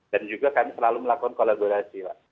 dan juga kami selalu melakukan kolaborasi